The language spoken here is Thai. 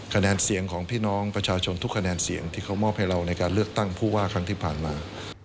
คะแนนเสียงของพี่น้องประชาชนทุกคะแนนเสียงที่เขามอบให้เราในการเลือกตั้งผู้ว่าครั้งที่ผ่านมา